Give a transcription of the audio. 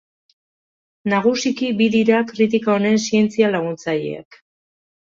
Nagusiki bi dira kritika honen zientzia laguntzaileak.